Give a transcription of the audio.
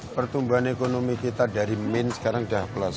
pertumbuhan ekonomi kita dari min sekarang sudah plus